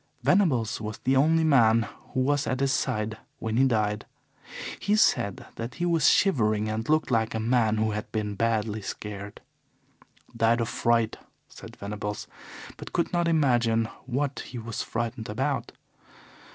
Venables was the only man who was at his side when he died. He said that he was shivering and looked like a man who had been badly scared. 'Died of fright,' said Venables, but could not imagine what he was frightened about.